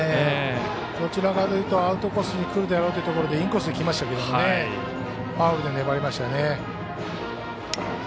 どちらかというとアウトコースにくるだろうというところでインコースにきましたけどファウルで粘りましたよね。